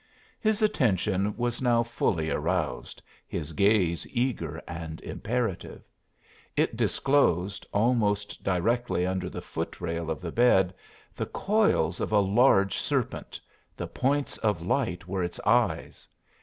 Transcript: His attention was now fully aroused, his gaze eager and imperative. It disclosed, almost directly under the foot rail of the bed, the coils of a large serpent the points of light were its eyes!